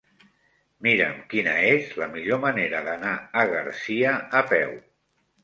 Mira'm quina és la millor manera d'anar a Garcia a peu.